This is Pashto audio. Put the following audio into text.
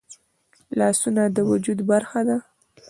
لاسونه د وجود برخه ده